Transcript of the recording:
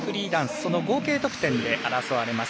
その合計得点で争われます。